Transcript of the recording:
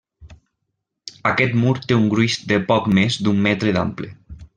Aquest mur té un gruix de poc més d'un metre d'ample.